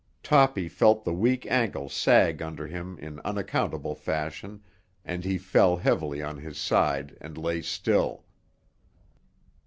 Toppy felt the weak ankle sag under him in unaccountable fashion, and he fell heavily on his side and lay still.